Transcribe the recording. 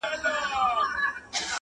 لوبي له لمبو سره بل خوند لري!